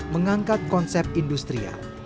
mengangkat konsep industrial